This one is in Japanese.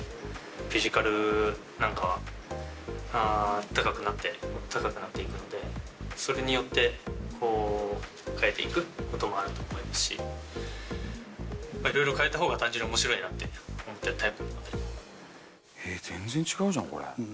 フィジカルなんかは、高くなって、高くなっていくので、それによって変えていくこともあると思いますし、いろいろ変えたほうが単純におもしろいなって、思っているタイプえー、全然違うじゃん、これ。